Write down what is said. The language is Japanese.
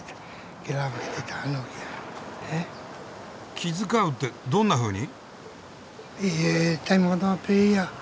気遣うってどんなふうに？